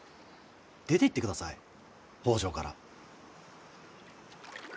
出ていってください北条から。